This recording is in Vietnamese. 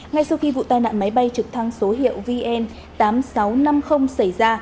ngay sau khi vụ tai nạn máy bay trực thăng số hiệu vn tám nghìn sáu trăm năm mươi xảy ra